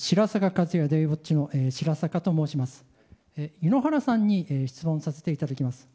井ノ原さんに質問させていただきます。